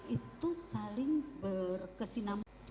itu saling berkesinam